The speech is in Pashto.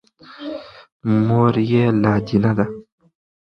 مور یې لادینه ده.